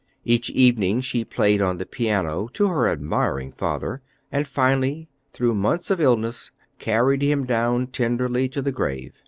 Each evening she played on the piano to her admiring father, and finally, through months of illness, carried him down tenderly to the grave.